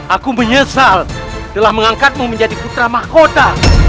aku menyesal telah mengangkatmu menjadi putra mahkota